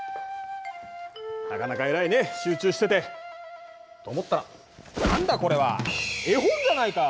集中しててと思ったら何だこれは？絵本じゃないか！